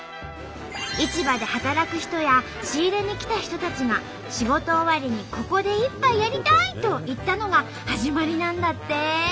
市場で働く人や仕入れに来た人たちが「仕事終わりにここで一杯やりたい！」と言ったのが始まりなんだって！